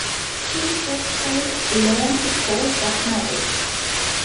He set sail along the coast of Norway.